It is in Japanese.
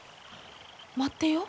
待ってよ。